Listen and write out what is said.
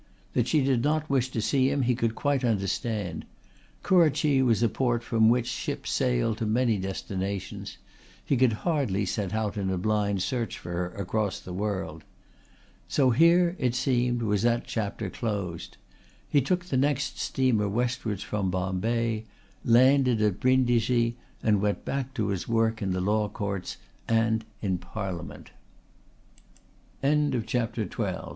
That she did not wish to see him he could quite understand; Kurrachee was a port from which ships sailed to many destinations; he could hardly set out in a blind search for her across the world. So here, it seemed, was that chapter closed. He took the next steamer westwards from Bombay, landed at Brindisi and went back to his work in the Law Courts and in Parliament. CHAPTER